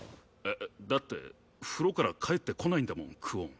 えっだって風呂から帰ってこないんだもん久遠。